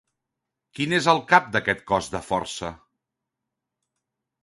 Qui és el cap d'aquest cos de força?